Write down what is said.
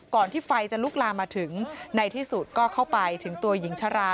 ที่ไฟจะลุกลามมาถึงในที่สุดก็เข้าไปถึงตัวหญิงชรา